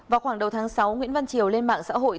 vào khoảng đầu tháng sáu nguyễn văn triều lên mạng xã hội